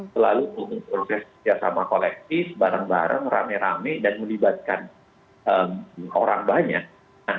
selalu proses kerjasama kolektif bareng bareng rame rame dan melibatkan orang banyak